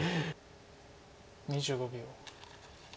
２５秒。